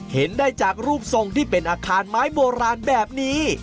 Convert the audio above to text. เห็นได้จากรูปทรงที่เป็นอาคารไม้โบราณแบบนี้